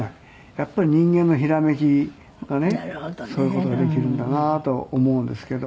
やっぱり人間のひらめきがねそういう事ができるんだなと思うんですけど。